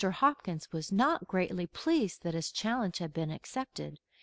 Hopkins was not greatly pleased that his challenge had been accepted.